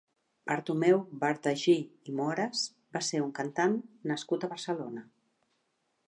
Bartomeu Bardagí i Moras va ser un cantant nascut a Barcelona.